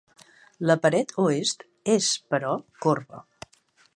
La paret oest és, però, corba.